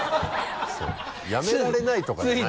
そう「やめられない」とかじゃないから。